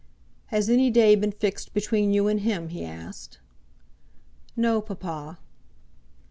"Has any day been fixed between you and him?" he asked. "No, papa."